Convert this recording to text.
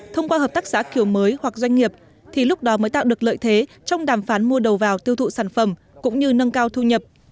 thông qua hợp tác xã kiểu mới hoặc doanh nghiệp thì lúc đó mới tạo được lợi thế trong đàm phán mua đầu vào tiêu thụ sản phẩm cũng như nâng cao thu nhập